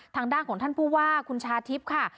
ทางด้านของท่านผู้ว่าคุณชาทิพย์ค่ะ